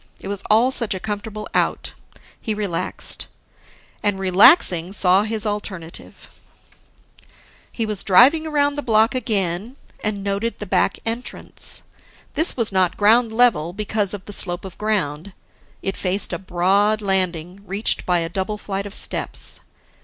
It was all such a comfortable Out, he relaxed. And, relaxing, saw his alternative. He was driving around the block again, and noted the back entrance. This was not ground level, because of the slope of ground; it faced a broad landing, reached by a double flight of steps.